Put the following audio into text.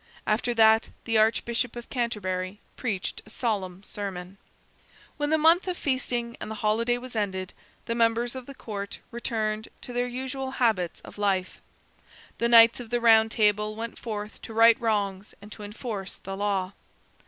After that the Archbishop of Canterbury preached a solemn sermon. When the month of feasting and holiday was ended, the members of the Court returned to their usual habits of life. The Knights of the Round Table went forth to right wrongs and to enforce the law.